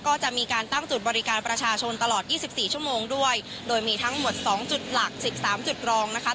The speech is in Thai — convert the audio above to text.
ก็จะมีการตั้งจุดบริการประชาชนตลอดยี่สิบสี่ชั่วโมงด้วยโดยมีทั้งหมดสองจุดหลักสิบสามจุดรองนะคะ